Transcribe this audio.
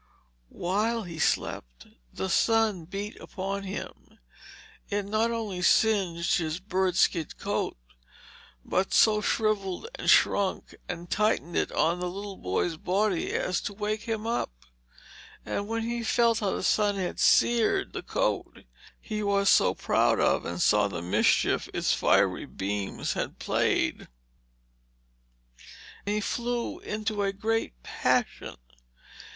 While he slept, the sun heat upon him. It not only singed his bird skin coat, but so shrivelled and shrunk and tightened it on the little boy's body as to wake him up. And then when he felt how the sun had seared the coat he was so proud of, and saw the mischief its fiery beams had played, he flew into a great passion.